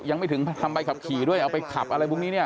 ยังไม่ถึงทำใบขับขี่ด้วยเอาไปขับอะไรพวกนี้เนี่ย